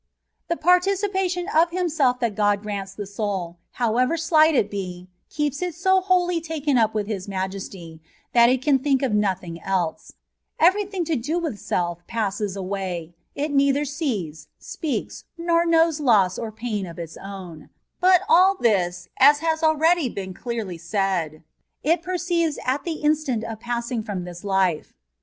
The participation of Himself that God grants the soni, however slight it be, keeps it so whoUy taken up with His majesty that it can think of nothing else : every thing to do with self passes away, — it neither sees, speaks, nor knows loss or pain of its own ; but ali this, as has been already clearly said, it perceives at the instant of passing from this life.